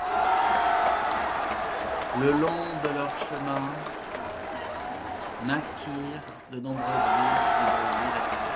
Le long de leurs chemins naquirent de nombreuses villes du Brésil actuel.